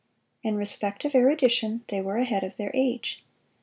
In respect of erudition they were ahead of their age.